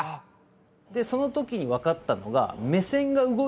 でそのときに分かったのが。